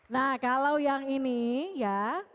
nah kalau yang ini ya